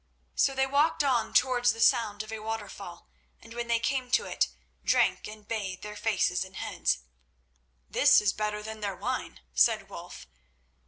So they walked on towards the sound of a waterfall, and, when they came to it, drank, and bathed their faces and heads. "This is better than their wine," said Wulf.